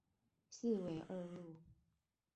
四維二路